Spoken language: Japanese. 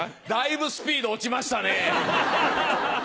だいぶスピード落ちましたね。